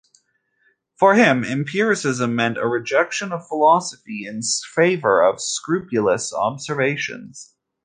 For him, empiricism meant a rejection of philosophy in favor of scrupulous observations.